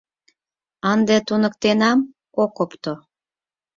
Ынде туныктенам, ок опто.